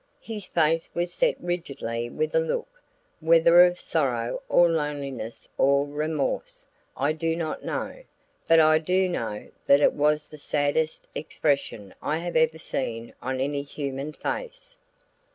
His face was set rigidly with a look whether of sorrow or loneliness or remorse, I do not know; but I do know that it was the saddest expression I have ever seen on any human face.